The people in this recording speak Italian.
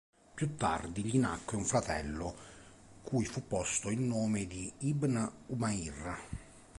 Più tardi gli nacque un fratello, cui fu posto il nome di Ibn ʿUmayr.